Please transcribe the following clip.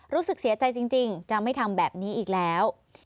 รู้สึกเสียใจจริงจะไม่ทำแบบนี้อีกแล้ว